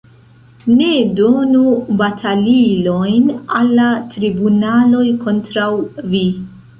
Ne donu batalilojn al la tribunaloj kontraŭ vi.